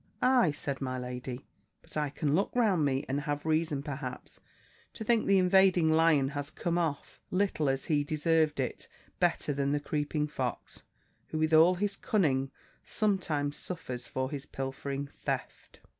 "Ay," said my lady, "but I can look round me, and have reason, perhaps, to think the invading lion has come off, little as he deserved it, better than the creeping fox, who, with all his cunning, sometimes suffers for his pilfering theft."